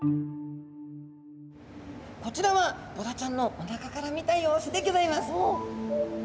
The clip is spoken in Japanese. こちらはボラちゃんのおなかから見た様子でギョざいます！